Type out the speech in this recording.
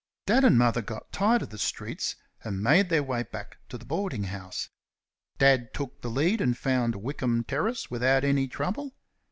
Dad and Mother got tired of the streets, and made their way back to the boarding house. Dad took the lead and found Wickham Terrace without any trouble.